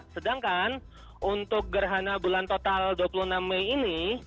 sedangkan untuk gerhana bulan total dua puluh enam mei ini